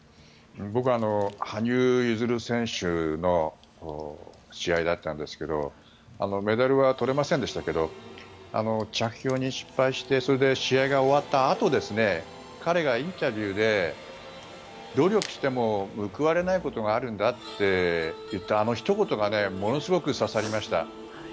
僕は羽生結弦選手の試合だったんですけどメダルは取れませんでしたけど着氷に失敗してそれで、試合が終わったあと彼がインタビューで努力しても報われないことがあるんだって言ったあのひと言がものすごく刺さりました。